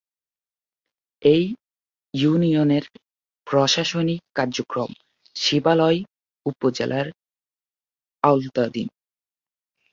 এ ইউনিয়নের প্রশাসনিক কার্যক্রম শিবালয় উপজেলার আওতাধীন